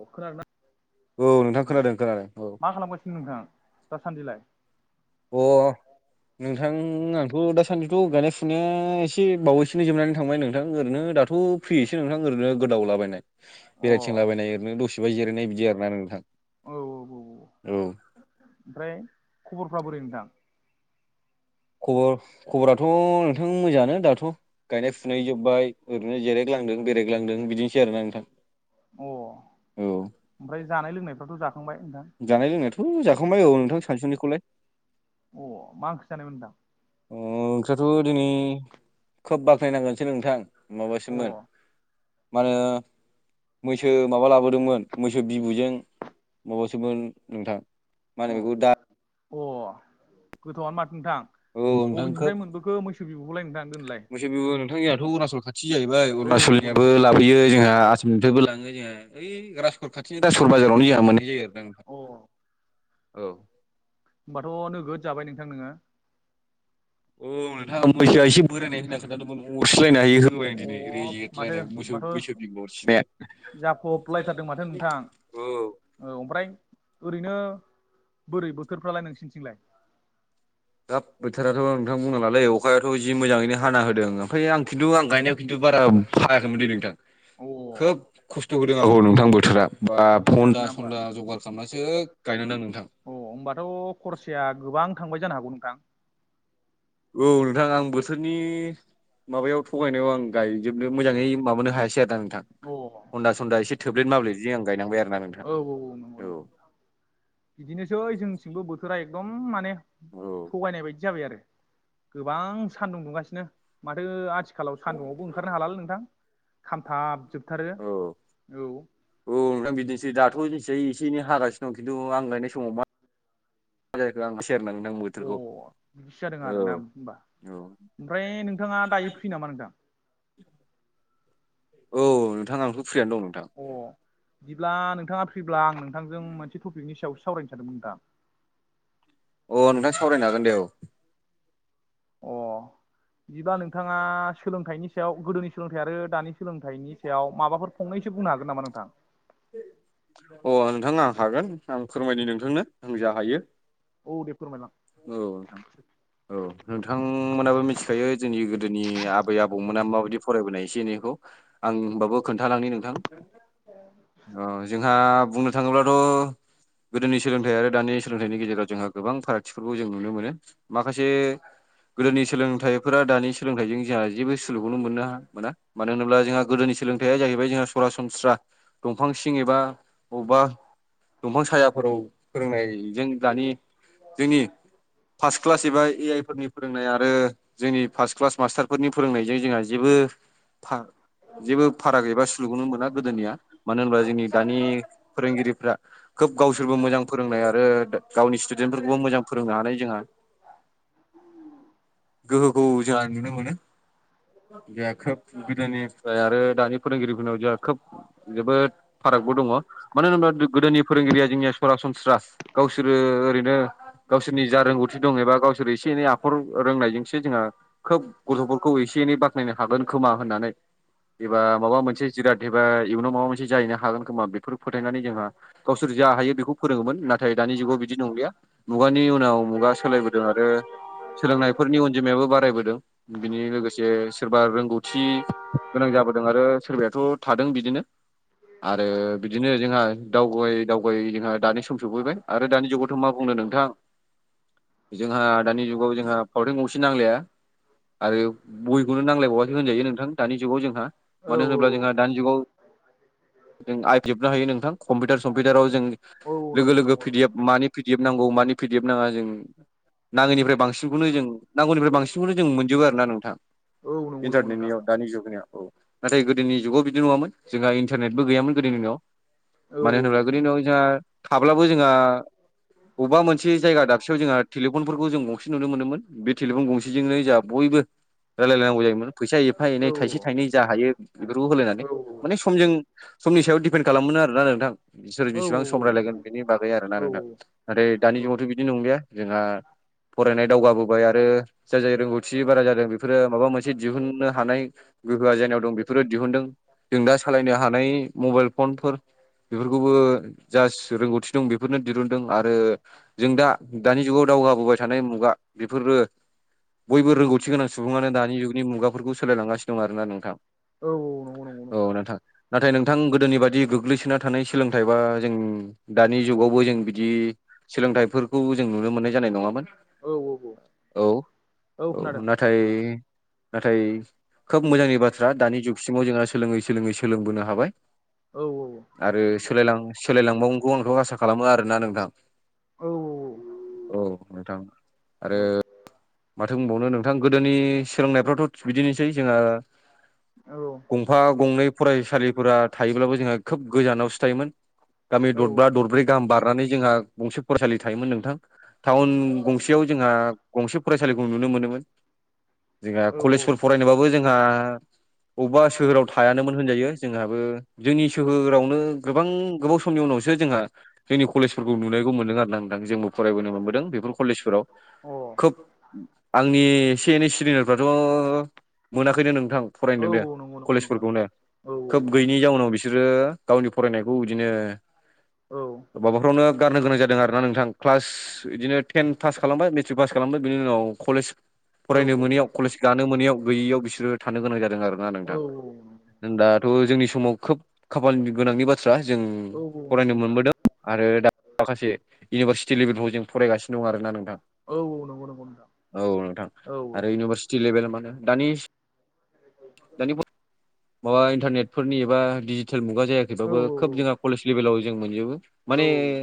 अ खोनादोंोना नोंथां औ खोनादों खोनादों मा खालामगासिगोन नोंथां दासान्दिलाय अ नोंथां आंथ' दासान्दिथ' गायनाय फुनाया एसे एसे बावैसो जोबनानै थांबाय नोंथां ओरैनो दाथ' फ्रिसो नोंथां ओरनो गोदावलाबायनाय अ औ बेरायथिंलाबायनाय ओरैनो दसेबो जिरायनाय बिदि आरोना नोंथां औ औ औ ओमफ्राय खबरफ्रा बोरै नोंथां खबर खबराथ' नोंथां मोजाङानो दाथ' गायनाय फुनाय जोबबाय ओरैनो जेरायग्लां बेरायग्लांदों बिदिनोसै आरो ना नोंथां अ औ ओमफ्राय जानाय लोंनायफ्राथ' जाखांबाय नोंथां जानाय लोंनायाथ' जाखांबाय औ नोंथां सानसुनिखौलाय अ मा ओंख्रि जानायमोन नोंथां ओंखिआ' दिनै खोब बाख्नायनांगोनसै नोंथां अ माबासोममोन मा होनो मैसो माबा लाबोदोंमोन मैसो बिबुजों माबायावसोमोन नोंथां मा अ होनो बेखौ दा अ गोथौआनो माथो नोंथां औ नोंथां बबेनिफ्राय खोब मोनबोखो मैसो बिबौखौलाय नों थां नोंलाय थि जाहैबाय अरुणाचलनियाबो लाबोयो जोंहा आसाम निफ्रायबो लाङो जोंहा ओइ राजासकर खाथिनि राजासकर बाजारावनो जोंहा मोननाय जायो आरो ना नथ अ औ होमबाथ' नोगोद जाबाय नोंथां नोङो औ नोंथाङा मैसोआ एसे बोरायनाय होनना खोादोंमोन अरस्लायनाय आयो होबाय आं दिनै रओरै अ माथो जेथलायनाय मोस होनबाथ' बैसोरनि गरसिनाया जाफबलायथारदों माथो नोंथां औ औ ओमफ्राय ओरैनो बोरै बोथोरफ्रालाय नोंसिनिथिंलाय दाब बोथोराथ' नोंथां बुंनाङालै अखायाथ' जि मोजाङैनो हाना होदों ओमफ्राय आं खिन्थु आं गनायाव खिन्थु बारा फाखैमोन दे नोंथां अ खोब खस्थ' होदों आंर नोंथां बोथोरा बा बिदिसो हन्दा आरोना होमबा सन्दा जगार खालाम मासो गायनानै दां नोंथां अ होमबाथ' खरसाया गोबां थांबाय जानो हागौ नोंथां औ नोंथां आं बोथोरनि माबायाव थगायनायाव आं गायजोबनो मोजाङै माबो हायासै आरोना नोंथां अ औ हन्दा सनन्द एसे थोब्लेब माबे जिं गनांबाय आरो ना नों औ औ औ नंगौं बिदिनोसै जोंथिंबो बोथोरा एकदम माने औ थगायनाय बायदि जाबाय आरो गोबां सानदुं दुंगासिनो माथो आ आथिखालाव सान्दुुंआवबो ओंखारनो हलालै नोंथां खामथाब जोब थारो औ औ औ नोंथां बिदिनोसै दाथ' मिथिसयै एसे एनै हागासिनो दं खिन्थु आं लायनाय समाव मा जाख आं सेरनां अ बिदिसो जादों आर ना होनोमबा औ ओमफ्राय नोंथाङा दायो फ्रि नामा नोंथां औ नोंथां आंथ' फ्रियानो दं नोंथां अ बिदिब्ला नोंथाङा फ्रिब्ला आं नोंथांजों मोनसे टपिकनि सायाव सावरायनो सानदोंमोन नोंथां अ नोंथां सावरायनो हागोन दे औ अ बिदिबब्ला नोंथाङा सोलोंथाइनि सायाव गोदोनि सोलोंथाइ आरो दानि सोलोंथाइनि सायाव माबाफोर फंनैसो बुंनो हागोन नामा नोंथां अ नोंथां आं हागोन आं फोरमायद नोंथांनो आं जा हायो औ दे फोरमायलां औ नोंथां। औ नोंथांमोनाबो मिथिखायो जोंनि गोदोनि आबै आबौमोना माबायदि फरायबोनाय एसे एनैखौ आंबाबो खोन्थालांनि नोंथां। औ। अ जोंहा बुंनो थाङोब्लाथ' गोदोनि सोलोंथाइ आरो दानि सोलोंथाइनि गेजेराव जोंहा गोबां फाराग थिफोरखौ जों नुनो मोनो माखासे गोदोनि सोलोंथाइफोरा दानि सोलोंथाइजों जोंहा जेबो सुखौनो मोननो मोना मानो होनोब्ला जोंहा गोदोनि सोलोंथाइया जाहैबाय जोंहा सरासनस्रा दंफां सिं एबा बबेबा दंफां सायाफोराव फोरोंनायजों दानि जोंनि फार्स्ट क्लास एबा ए आइ फोरनि फोरोंनाय आरो जोंनि फार्स्ट क्लास मास्टारफोरनि फोरोंनायजों जोंहा जेबो जेबो फाराग एबा सुलुखौनो मोना गोदोनिया मानो होनोबा जोंनि दानि फोरोंगिरिफ्रा खोब गावसोरबो मोजां फोरोंनाय आरो गावनि स्टुडेन्ट फोर खौबो मोजां फोरोंनो हानाय जोंहा गोहोखौ जोंहा नुनो मोनो बेहा खोब गोदोनिफ्राय आरो दानि फोरोंगिरिफोरनाव जाहा खोब जोबोद फारागबो दङ मानो होनोब्ला दो गोदोनि फोरोंगिरिया जोंनिया सरासनस्रास गावसोरो ओरैनो गावसोरनि जा रोंगौथि दं एबा गावसोर एसे एनै आखर रोंनायजोंसो जोंहा खोब गथ'फोरखौ एसे एनै बाख्नायनो हागोन खोमा होननानै एबा माबा मोनसे जिराद एबा इयुनाव माबा मोनसे जाहैनो हागोन खोमा बि फोर फोथायनानै जोंहा गावसोर जा हायो बेखौ फोरोङोमोन नाथाय दानि जुगाव बिदि नंलिया मुगानि उनाव मुगा सोलायबोदों आरो सोलोंनायफोरनि अनजिमायाबो बारायबोदों। बिनि लोगोसे सोरबा रोंगौथि गोनां जाबोदों आरो सोरबायाथ' थादों बिदिनो आरो बिदिनो जोंहा दावगायै दावगायै जोंहा दानि सम सफैबाय आरो दानि जुगावथ' मा बुंनो नों थां जोंहा दानि जुगाव जोंहा फावथेन गंसे नांलाया आरो बहिखौनो नांलायबावासो होनजायो नोंथां दानि जुगाव जोंहा औ मानो होनोब्ला जोंहा दानि जुगाव जों आयजोबनो हायो नोंथां कम्पिउटार सम्पिउटाराव जों औ लोगो नंगौ लोगो नंगौ पि डि नंगौ एफ मानि पि डि एफ नांगौ मानि पि डि एफ नाङा जों नाङैनिफ्राय बांसिनखौनो जों नांगौनिफ्राय बांसिनखौनो जों मोनजोबो आरोना नोंथां औ नंगौ नंगौ नोंथां इन्टारनेटनियाव। दानि जुगनियाव औ नाथाय गोदोनि जुगाव बिदि नङामोन जोंहा इन्टारनेटबो गैयामोन गोदोनि दिनाव। औ मानो होनोब्ला गोदो दिनाव जोंहा थाब्लाबो जोंहा बबेबा मोनसे जायगा दाबसेयाव जोंहा टेलिफनफोरखौ जों गंसे नुनो मोनोमोन। बे टेलिफन गंसेजोंनो जोंहा बयबो रायलाय लायनांगौ जायोमोन फैसा एफा औ एनै थाइसे थाइनै जा हायो बेफोरखौ औ होलायनानै माने समजों समनि सायाव दिपेन्ड खालामोमोन आरोना नोंथां बिसोर औ बिसिबां सम रायलायगोन बेनि बागै आरोना औ नोंथां। नाथाय दानि जुगावथ' बिदिनो नंलिया जोंहा फरायनाय दावगाबोबाय आरो जाय जाय रोंगौथि बारा जादों बेफोरो माबा मोनसे दिहुननो हानाय गोहोआ जायनाव दं बेफोरो दिहुनदों जों दा सालायनो हानाय मबाइल फनफोर बेफोरखौबो जास रोंगौथि दं बेफोरनो दिरुनदों आर रो जों दा दानि जुगाव दावगाबोबाय थानाय मुगा बेफोरो बयबो रोंगौथि गोनां सुबुङानो दानि जुगनि मुगाफोरखौ सोलायलांगासिनो दं आरोना नोंथां। औ नंगौ नंगौ औ नोंथां नाथाय नोंथां गोदोनि बादि गोग्लैसोना थानाय सोलोंथाइ बा जों दानि जुगावबो जों बिदि सोलोंथाइफोरखौ जों नुनो मोननाय जानाय नङामोन औ औ औ नाथ थाय नाथाय खोब मोजांनि बाथ्रा दानि जुगसिमाव जोंहा सोलोङै सोलोङै सोलोंबोनो हाबाय औ औ। आरो सोलायलां सोलायलांबावगोनखौ आंथ' आसा खालामो आरोना नोंथां। औ। औ नोंथां आरो औ औ माथो बुंबावनो नोंथां गोदोनि सोलोंनायफ्राथ' बिदिनोसै जोंहा गंफा गंनै फरायसालिफोरा थायोब्लाबो जोंहा खोब गोजानावसो थायोमोन गामि दरबा औ दरब्रै गाहाम बारनानै जोंहा गंसे फरायसालि थायोमोन नोंथां टाउन गंसेयाव जोंहा गंसे फरायसालिखौ नुनो मोनोमोन। जोंहा अ कलेजफोर फरायनोबाबो जोंहा बबेबा सोहोराव थायानोमोन होनजायो जोंहाबो जोंनि सोहोरावनो गोबां गोबाव समनि उनावसो जोंहा जोंनि कलेजफोरखौ नुनो गौ मोनदों आरोना नोंथां जोंबो फरायबोनो मोनबोदों बेफोर कलेजफोराव औ खोब आंनि एसे एनै सिनियरफ्राथ' मोनाखैनो नोंथां औ फरायनोनो नंगौ नंगौ नोंथां कलेजफोरखौनो। औ खोब गैयैनि जाउनाव बिसोरो गावनि फरायनायखौ बिदिनो औ माबाफोरावनो गारनो गोनां जादों आरो ना नोंथां क्लास बिदिनो टेन पास खालामबाय मेट्रिक पास खालामबाय बिनि उनाव कलेज फरायनो औ मोनैयाव कलेज गानो मोनैयाव गैयियाव बिसोरो थानो गोनां जादों आरो ना नोंथां। औ औ औ दाथ' जोंनि समाव खोब खाफाल गोनांनि बाथ्रा जों औ नंगौ फरायनो नोंथां मोनबोदों आरो दा माखासे इउनिभारसिटि लेभेलाव जों फरायगासिनो दं आरो ना नोंथां। औ औ नंगौ नंगौ नोंथां। औ नोंथां औ आरो इउनिभारसिटि लेभेल मानो दानि दानि ग माबा इन्टारनेटफोरनि एबा डिजिटेल मुगा औ जायाखैबाबो खोब जोंहा कलेज लेभेलाव जों मोनजोबो औ माने औ औ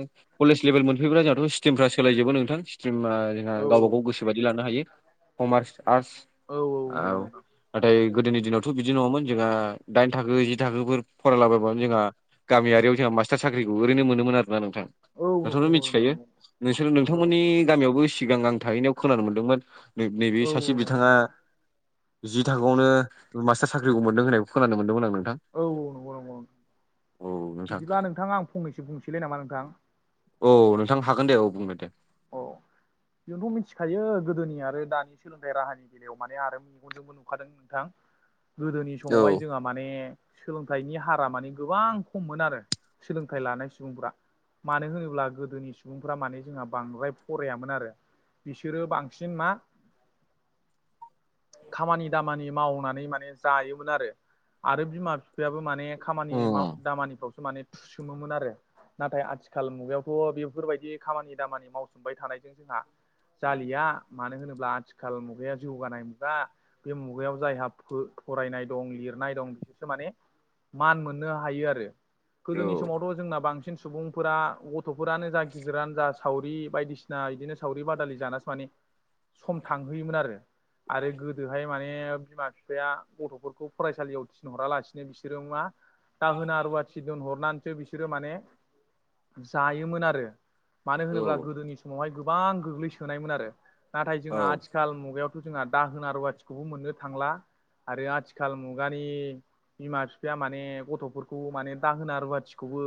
कलेज लेभेल मोनफैब्ला जोंहाथ' स्ट्रिमफ्रा सोलायजोबो नोंथां स्ट्रिमा जोंहा औ गावब गाव गोसो बायदि लानो हायो। कमार्स आरटस औ नंगौ औ नोंथां नाथाय गोदोनि दिनावथ' बिदि नङामोन जोंहा दाइन थाखो जि थाखोफोर फरायलाबायबानो जोंहा गामियारियाव जोंहा मास्टार साख्रिखौ ओरैनो मोनोमोन आरोना नोंथां। औ नंगौ नोंथाङाथ' नंगौ नोंथां मिथिखायो नंगौ। नोंसोर औ नोंथांमोननि गामियावबो सिगां आं थाहैनायाव खोनानो मोनदोंमोन। नैबे औ सासे नंगौ बिथाङा जि थाखोआवनो मास्टार साख्रिखौ मोन्दों होननायखौ खोनानो मोनदोंमोन आं नोंथां। औ औ नंगौ नंगौ औ नोंथां बिदिब्ला नोंथाङा आं फंनैसो बुंसैलाय नामा नोंथां? औ नोंथां हागोन दे औ बुंबाय दे। बेनोथ' मिथिखायो गोदोनि आरो दानि सोलोंथाइ राहानि बेलायाव माने आरो मेगनजोंबो नुखादों नोंथां गोदोनि औ समावहाय जोंहा माने सोलोंथाइनि हारा माने गोबां खम मोन आरो सोलोंथाइ लानाय सुबुंफ्रा। मानो होनोब्ला गोदोनि सुबुंफ्रा माने जोंहा बांद्राय फरायामोन आरो। बिसोरो बांसिन मा खामानि दामानि मावनानै माने जायोमोन आरो आरो बिमा बिफायाबो माने खामानि औ दामानिफ्रावसो माने थुसोमोमोन आरो। नाथाय आथिखाल मुगायावथ' बेफोरबायदि खामानि दामानि मावसोमबाय थानायजों जोंहा जालिया मानो होनोब्ला आथिखाल मुगाया जौगानाय मुगा बे मुगायाव जायहा फो फरायनाय दं लिरनाय दं बिसोरसो माने मान मोननो हायो आरो। गोदोनि औ समावथ' जोंना बांसिन सुबुंफोरा ग' गथ'फोरानो जा गिदिरानो जा सावरि बायदिसिना बिदिनो सावरि बादालि जानासो माने सम थांहोयोमोन आरो आरो गो गोदोहाय माने बिमा बिफाया गथ'फोरखौ फरायसालियाव थिनहरालासिनो बिसोरो मा दाहोना रुवाथि दोनहरनानैसो बिसोरो माने जायोमोन आरो मानो होनोब्ला गोदोनि समावहाय गोबां गोग्लैसोनायमोन आरो। नाथाय जोंहा औ आथिखाल मुगायावथ' जोंहा दाहोना रुवाथिखौबो मोननो थांला आरो आथिखाल मुगानि बिमा बिफाया माने गथ'फोरखौ माने दाहोना रुवाथिखौबो।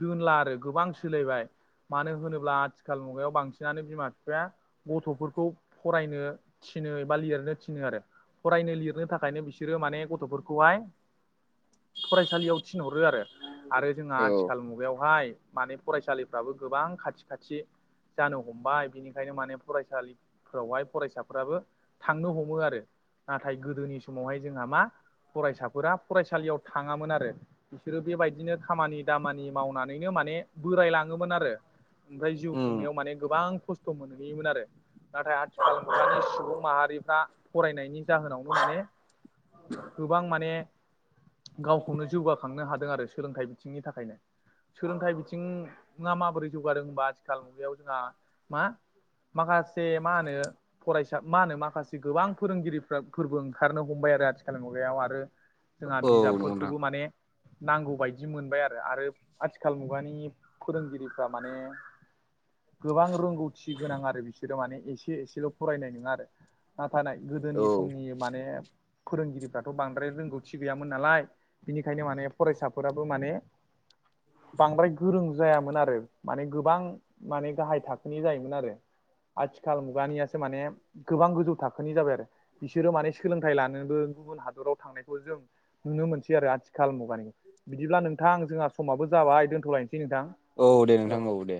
दोनला आरो गोबां सोलायबाय मानो होनोब्ला आथिखाल मुगायाव बांसिनानो बिमा बिफाया गथ'फोरखौ फरायनो थिनो एबा लिरनो थिनो आरो फरायनो लिरनो थाखायनो बिसोरो माने गथ'फोरखौ खौहाय फरायसालियाव थिनहरो आरो आरो जोंहा औ आथिखाल मुगायावहाय माने फरायसालिफ्राबो गोबां खाथि खाथि जानो हमबाय बिनिखायनो माने फरायसालिफोरावहाय फरायसा फोराबो थांनो हमो आरो। नाथाय गोदोनि समावहाय जोंहा मा फरायसाफोरा फरायसालियाव थाङामोन आरो। बिसोरो बेबायदिनो खामानि दामानि मावनानैनो माने बोरायलाङोमोन आरो। ओमफ्राय जिउ खुंनायाव माने गोबां खस्थ' मोनहैयोमोन आरो नाथाय आथिखाल दानि सुबुं माहारिफ्रा फरायनायनि जाहोनावनो माने गोबां माने गावखौनो जौगाखांनो हादों आरो सोलोंथाइ बिथिंनि थाखायनो सोलोंथाइ बिथिं ना माबोरै जौगादों होनबा आथिखाल मुगायाव जोंहा मा माखासे मा होनो फरायसा मा होनो माखासे गोबां फोरोंगिरिफ्रा फोरबो ओंखारनो हमबाय आरो आथिखालनि मुगायाव आरो जोंहा औ नंगौ नोंथां बिजाबफोरखौबो माने नांगौ बायदि मोनबाय आरो आरो आथिखाल मुगानि फोरोंगिरिफ्रा माने गोबां रोंगौथि गोनां आरो बिसोरो माने एसे एसेल' फरायनाय नङा आरो। नाथाय औ गोदोनि समनि माने फोरोंगिरिफ्राथ' बांद्राय रोंगौथि गैयामोन नालाय बिनिखायनो माने फरायसाफोराबो माने बांद्राय गोरों जायामोन आरो माने गोबां माने गाहाय थाखोनि जायोमोन आरो। आथिखाल मुगानिया। माने गोबां गोजौ थाखोनि जाबाय आरो बिसोरो मान सोलोंथ लानोबो हादराव थांनायखौ जों नुनो मोनसै आरो आथिखाल मुगानि बिदिब्ला नोंथां जों समाबो जाबाय दोनथ'लायनोसै नोंथां दे नोंथां औ। औ दे